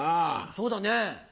そうだね。